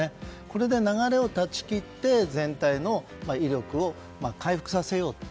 これで流れを断ち切って全体の威力を回復させようと。